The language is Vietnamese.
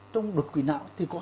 trong đột quỷ não thì có